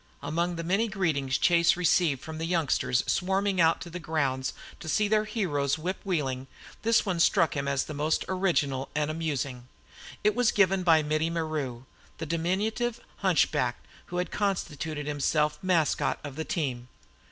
Among the many greetings Chase received from the youngsters swarming out to the grounds to see their heroes whip Wheeling, this one struck him as most original and amusing. It was given him by Mittie Maru, the diminutive hunchback who had constituted himself mascot of the team.